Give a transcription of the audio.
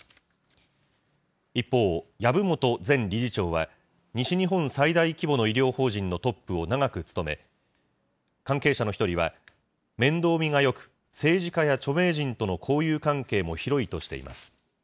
一方、籔本前理事長は、西日本最大規模の医療法人のトップを長く務め、関係者の一人は、面倒見がよく、政治家や著名人との交友関係も広いとしています。